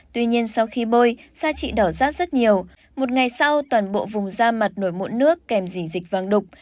tuy nhiên sau khi bôi da trị đỏ rát rất nhiều một ngày sau toàn bộ vùng da mặt nổi mụn nước kèm dịch vàng đục